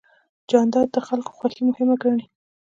جانداد د خلکو خوښي مهمه ګڼي.